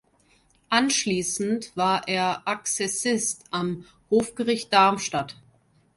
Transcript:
Anschließend war er Akzessist am Hofgericht Darmstadt.